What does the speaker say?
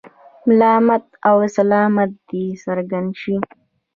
ملامت او سلامت دې څرګند شي.